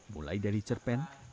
mulai dari cerpen